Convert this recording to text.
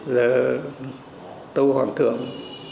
là tâu hoàng thượng